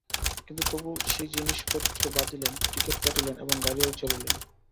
কিন্তু তবু সেই জিনিসপত্র বাঁধিলেন, টিকিট কিনিলেন, এবং গাড়িও চড়িলেন।